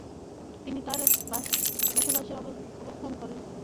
তিনি তার বসবাসের ব্যবস্থা করেন।